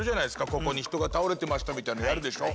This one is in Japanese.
ここに人が倒れてましたみたいのやるでしょ。